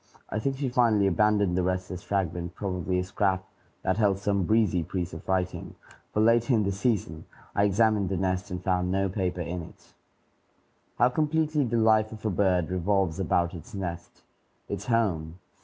I think she finally abandoned the restless fragment, probably a scrap that held some "breezy" piece of writing, for later in the season I examined the nest and found no paper in it. How completely the life of a bird revolves about its nest, its home!